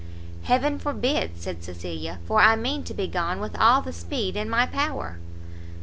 "Heaven forbid," said Cecilia, "for I mean to be gone with all the speed in my power."